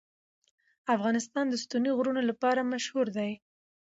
افغانستان د ستوني غرونه لپاره مشهور دی.